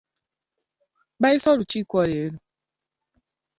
Baayise olukiiko leero.